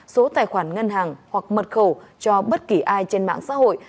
số tài khoản ngân hàng hoặc mật khẩu cho bất kỳ ai trên mạng xã hội